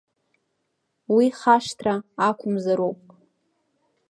Уи хашҭра ақәымзароуп!